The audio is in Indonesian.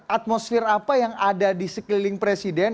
atmosfer apa yang ada di sekeliling presiden